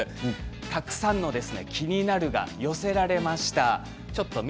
たくさんの「キニナル」が寄せられました。